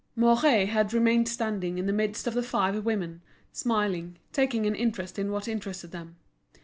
Mouret had remained standing in the midst of the five women, smiling, taking an interest in what interested them.